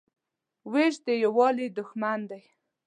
وېش د یووالي دښمن دی.